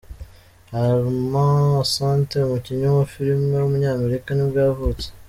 Armand Assante, umukinnyi wa film w’umunyamerika nibwo yavutse.